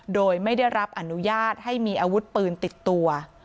โดยไม่ได้รับอนุญาตให้มีอาวุธปืนติดตัว